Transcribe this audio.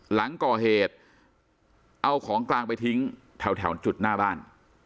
หลังก่อเหตุเอาของกลางไปทิ้งแถวจุดหน้าบ้าน